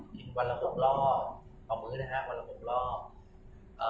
กินวันละ๖รอบของมื้อนะฮะวันละ๖รอบ